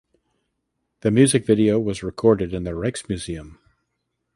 The music video was recorded in the Rijksmuseum.